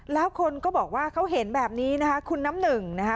แล้วคนก็บอกว่าเขาเห็นแบบนี้นะคะคุณน้ำหนึ่งนะคะ